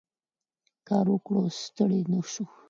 کار وکړو او ستړي نه شو.